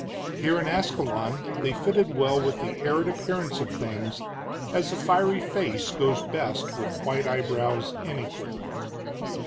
Here in Ascalon they fitted well with the arid appearance of things, as a fiery face goes best with white eyebrows, anywhere.